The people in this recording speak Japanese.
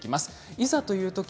いざというとき